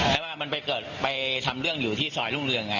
แต่ว่ามันไปเกิดไปทำเรื่องอยู่ที่ซอยรุ่งเรือง